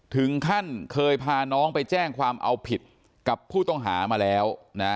ถึงขั้นเคยพาน้องไปแจ้งความเอาผิดกับผู้ต้องหามาแล้วนะ